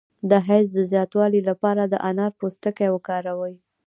د حیض د زیاتوالي لپاره د انار پوستکی وکاروئ